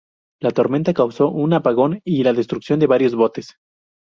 La tormenta causó un apagón y la destrucción de varios botes.